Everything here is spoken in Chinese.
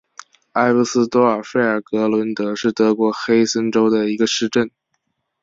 埃布斯多尔费尔格伦德是德国黑森州的一个市镇。